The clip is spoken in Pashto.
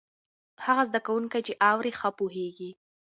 هغه زده کوونکی چې اوري، ښه پوهېږي.